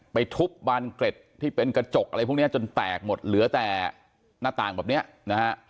ทุบบานเกร็ดที่เป็นกระจกอะไรพวกนี้จนแตกหมดเหลือแต่หน้าต่างแบบเนี้ยนะฮะ